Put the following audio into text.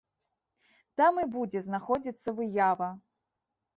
Там і будзе знаходзіцца выява.